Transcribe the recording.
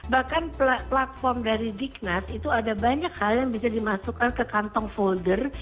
bahkan platform dari dignas itu ada banyak hal yang bisa dimasukkan ke kantong folder